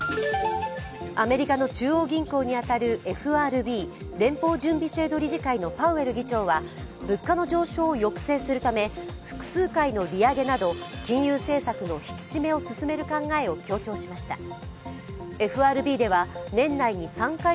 アメリカの中央銀行に当たるＦＲＢ＝連邦準備制度理事会のパウエル議長は物価の上昇を抑制するため複数回の利上げなど金融政策の引き締めを進める考えを強調しました。